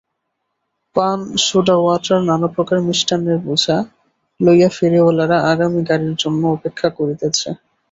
পান সোডাওয়াটার নানাপ্রকার মিষ্টান্নের বোঝা লইয়া ফেরিওয়ালারা আগামী গাড়ির জন্য অপেক্ষা করিতেছে।